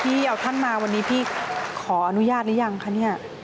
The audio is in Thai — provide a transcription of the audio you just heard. พี่เอาท่านมาวันนี้พี่ขออนุญาตหรือยังคะเนี่ย